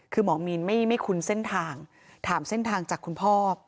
คือหมอมีนไม่คุ้นเส้นทางถามเส้นทางจากคุณพ่อ